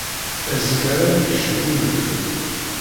Azekka ara yekcem unebdu